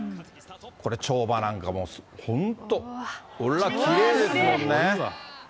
これ、跳馬なんかも本当、ほら、きれいですもんね。